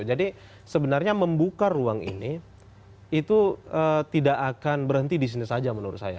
jadi sebenarnya membuka ruang ini itu tidak akan berhenti disini saja menurut saya